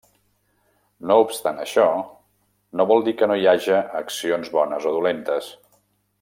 No obstant això, no vol dir que no hi haja accions bones o dolentes.